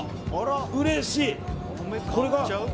うれしい。